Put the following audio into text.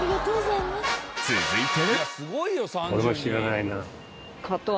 続いて。